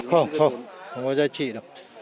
không không không có giá trị đâu